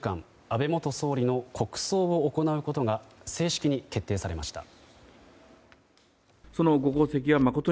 安倍元総理の国葬を行うことが正式に決定されました。